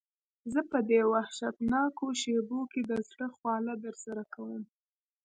زه په دې وحشتناکو شېبو کې د زړه خواله درسره کوم.